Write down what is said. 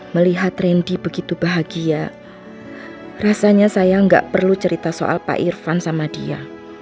melihat randy begitu bahagia rasanya saya nggak perlu cerita soal pak irfan sama dia